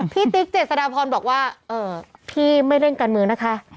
พี่ติ๊กเจ็ดสนับพรบอกว่าเอ่อพี่ไม่ได้กันมือนะคะ